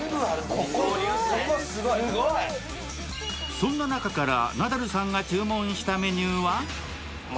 そんな中からナダルさんが注文したメニューは？